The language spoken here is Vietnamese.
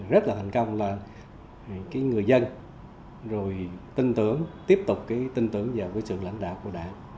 rất là thành công là người dân rồi tin tưởng tiếp tục cái tin tưởng vào cái sự lãnh đạo của đảng